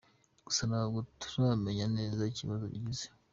Gusa ntabwo turamenya neza ikibazo agize.